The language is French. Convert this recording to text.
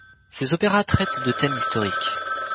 Ses opéras traitent de thèmes historiques.